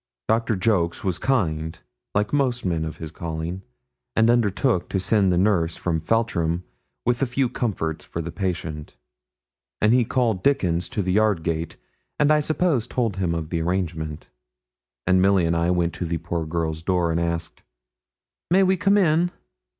Doctor Jolks was kind, like most men of his calling, and undertook to send the nurse from Feltram with a few comforts for the patient; and he called Dickon to the yard gate, and I suppose told him of the arrangement; and Milly and I went to the poor girl's door and asked, 'May we come in?'